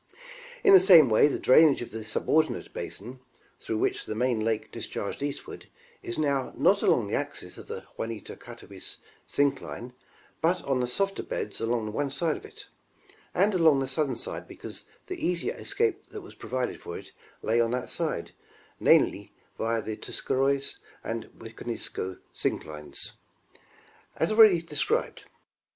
In the same way, the drainage of the subordinate basin, through which the main lake discharged eastward, is now not along the axis of the Juniata Catawissa syncline, but on the softer beds along one side of it ; and along the southern side because the easier escape that was provided for it lay on that side, namely, via the Tus caroi'a and Wiconisco synclines, as already described.